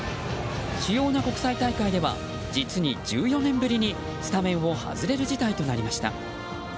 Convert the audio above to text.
主要な国際大会では実に１４年ぶりにスタメンを外れる事態となりました。